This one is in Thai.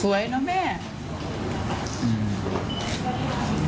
สวยนะแม่